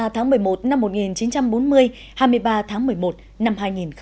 hai mươi tháng một mươi một năm một nghìn chín trăm bốn mươi hai mươi ba tháng một mươi một năm hai nghìn hai mươi